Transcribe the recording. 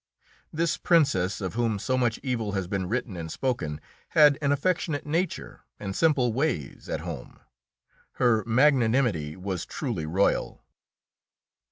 This Princess, of whom so much evil has been written and spoken, had an affectionate nature and simple ways at home. Her magnanimity was truly royal.